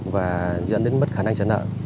và dẫn đến mất khả năng chấn nợ